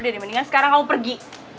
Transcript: udah dimendingan sekarang kamu pergi